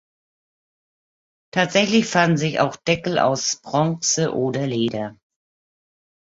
Tatsächlich fanden sich auch Deckel aus Bronze oder Leder.